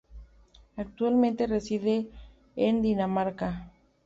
Actualmente reside en Dinamarca.